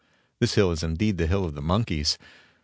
This hill is indeed the hill of the monkeys.